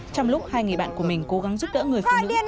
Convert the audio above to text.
trong lúc hai người bạn của mình cố gắng giúp đỡ người phụ nữ